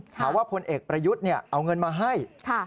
หาว่าพลเอกประยุทธ์เอาเงินมาให้